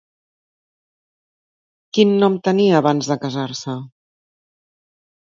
Quin nom tenia abans de casar-se?